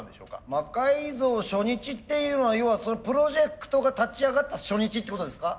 魔改造初日っていうのは要はプロジェクトが立ち上がった初日ってことですか？